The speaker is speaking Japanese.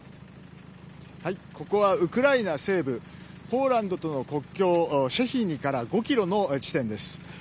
ここはウクライナ西部ポーランドとの国境シェヒニから５ｋｍの地点です。